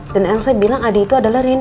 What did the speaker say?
dan yang saya bilang adi itu adalah rendy